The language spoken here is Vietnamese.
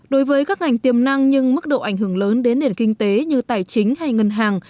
đối với các ngành tiềm năng nhưng mức độ ảnh hưởng lớn đến nền kinh tế như tài chính hay ngân hàng